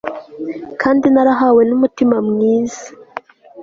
kandi narahawe n'umutima mwiza